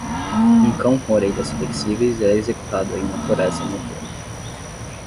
Um cão com orelhas flexíveis é executado em uma floresta no outono.